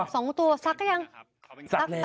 สองตัวซักยัง